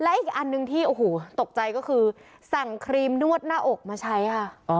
และอีกอันหนึ่งที่โอ้โหตกใจก็คือสั่งครีมนวดหน้าอกมาใช้ค่ะ